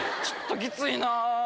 ちょっとキツいな。